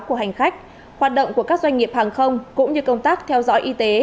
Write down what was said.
của hành khách hoạt động của các doanh nghiệp hàng không cũng như công tác theo dõi y tế